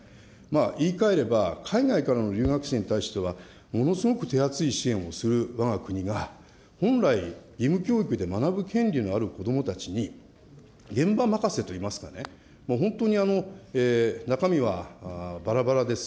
言いかえれば、海外からの留学生に対してはものすごく手厚い支援をするわが国が、本来、義務教育で学ぶ権利のある子どもたちに、現場任せといいますかね、もう本当に、中身はばらばらです。